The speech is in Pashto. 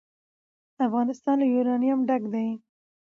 افغانستان له یورانیم ډک دی.